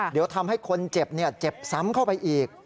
เดี๋ยวทำให้คนเจ็บเจ็บซ้ำเข้าไปอีก